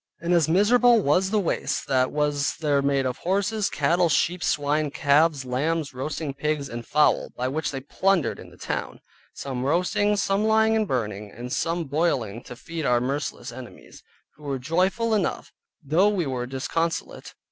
And as miserable was the waste that was there made of horses, cattle, sheep, swine, calves, lambs, roasting pigs, and fowl (which they had plundered in the town), some roasting, some lying and burning, and some boiling to feed our merciless enemies; who were joyful enough, though we were disconsolate.